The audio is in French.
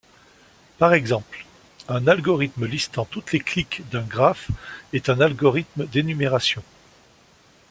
Par exemple, un algorithme listant toutes les cliques d’un graphe est un algorithme d’énumération.